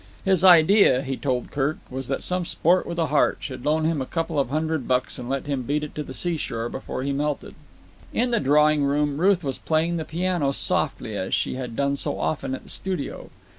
His idea, he told Kirk, was that some sport with a heart should loan him a couple of hundred bucks and let him beat it to the seashore before he melted. In the drawing room Ruth was playing the piano softly, as she had done so often at the studio.